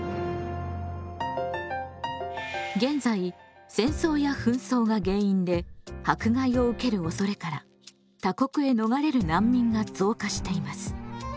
現在戦争や紛争が原因で迫害を受ける恐れから他国へ逃れる難民が増加しています。